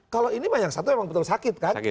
kalau ini yang satu memang betul sakit kan